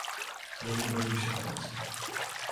Я не баюся працы.